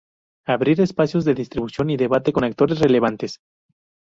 Abrir espacios de discusión y debate con actores relevantes.